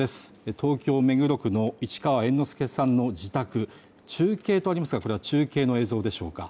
東京・目黒区の市川猿之助さんの自宅中継とありますがこれは中継の映像でしょうか？